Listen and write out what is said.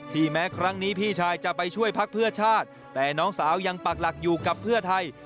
แม้ครั้งนี้พี่ชายจะไปช่วยพักเพื่อชาติแต่น้องสาวยังปักหลักอยู่กับเพื่อไทย